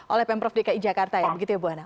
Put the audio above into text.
oleh pemprov dki jakarta ya begitu ya bu anna